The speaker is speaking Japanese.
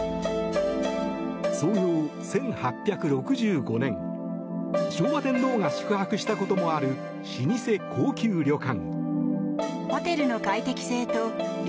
創業１８６５年昭和天皇が宿泊したこともある老舗高級旅館。